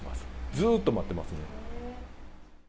ずーっと待ってますね。